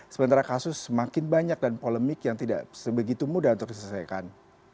sementara kasus semakin banyak dan polemik yang tidak sebegitu mudah untuk diselesaikan